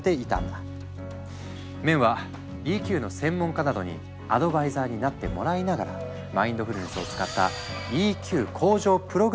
メンは「ＥＱ」の専門家などにアドバイザーになってもらいながらマインドフルネスを使ったＥＱ向上プログラムを開発。